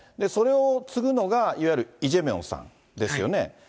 それを継ぐのが、いわゆるイ・ジェミョンさんですよね。